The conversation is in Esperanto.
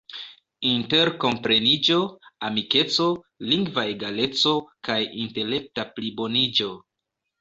interkompreniĝo, amikeco, lingva egaleco, kaj intelekta pliboniĝo.